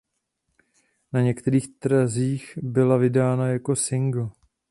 Na některých trzích byla vydána jako singl.